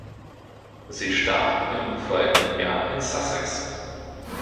Sie starb im folgenden Jahr in Sussex.